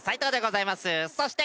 そして。